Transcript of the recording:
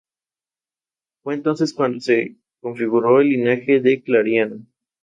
Fue entonces cuando se configuró el linaje de Clariana.